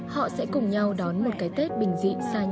họ sẽ cùng nhau đón một cái tết bình dị xa nhà